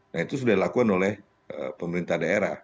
nah itu sudah dilakukan oleh pemerintah daerah